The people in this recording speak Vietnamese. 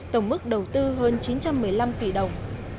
tổng mức đầu tư hơn chín trăm một mươi năm tỷ đồng